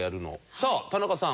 さあ田中さん。